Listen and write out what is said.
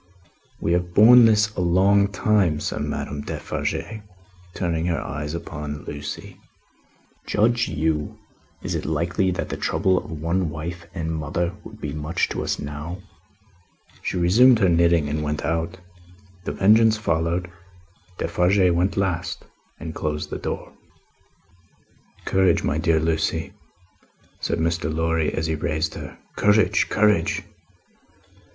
"We have borne this a long time," said Madame Defarge, turning her eyes again upon Lucie. "Judge you! Is it likely that the trouble of one wife and mother would be much to us now?" She resumed her knitting and went out. The Vengeance followed. Defarge went last, and closed the door. "Courage, my dear Lucie," said Mr. Lorry, as he raised her. "Courage, courage!